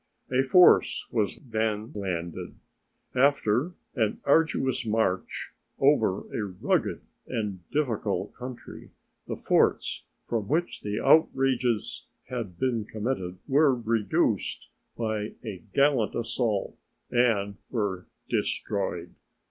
A force was then landed. After an arduous march over a rugged and difficult country, the forts from which the outrages had been committed were reduced by a gallant assault and were destroyed.